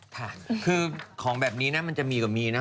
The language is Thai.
ค่ะคือของแบบนี้นะมันจะมีก็มีนะ